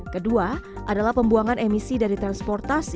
kedua adalah pembuangan emisi dari transportasi